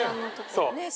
そう。